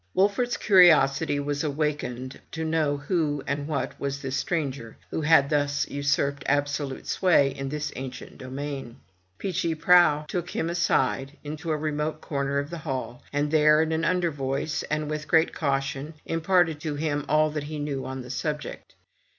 Wolfert's curiosity was awakened to know who and what was this stranger who had thus usurped absolute sway in this ancient domain. Peechy Prauw took him aside, into a remote corner of the hall, and there, in an under voice, and with great caution, imparted to him all that he knew on the subject.